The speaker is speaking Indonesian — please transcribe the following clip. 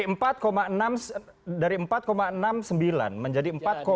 maaf dari empat enam puluh sembilan menjadi empat enam puluh satu